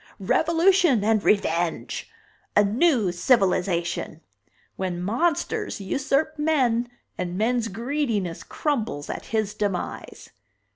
Revolution and Revenge! A new civilization! When monsters usurp men and men's greediness crumbles at his demise!"